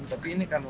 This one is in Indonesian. tapi ini kan hujan